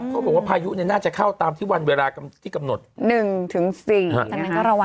ก็บอกว่าพายุเนี่ยน่าจะเข้าตามที่วันเวลาที่กำหนด๑ถึง๔นะครับ